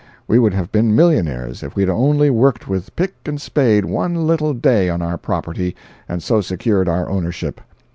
We would have been millionaires if we had only worked with pick and spade one little day on our property and so secured our ownership!